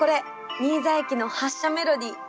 新座駅の発車メロディー！